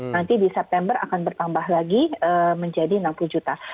nanti di september akan bertambah lagi menjadi enam puluh juta